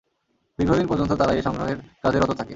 দীর্ঘদিন পর্যন্ত তারা এ সংগ্রহের কাজে রত থাকে।